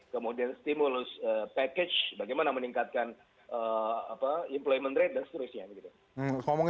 kemudian stimulus package bagaimana meningkatkan employment rate dan seterusnya gitu